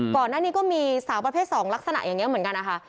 ก่อนหน้านี้ก็มีสาวประเภท๒ลักษณะอย่างนี้เหมือนกันนะคะ